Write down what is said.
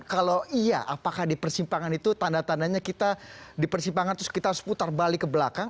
kalau iya apakah di persimpangan itu tanda tandanya kita di persimpangan terus kita harus putar balik ke belakang